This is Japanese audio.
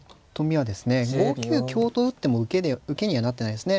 ５九香と打っても受けにはなってないですね。